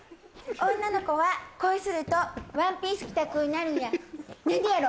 女の子は恋するとワンピース着たくなるんや何でやろ？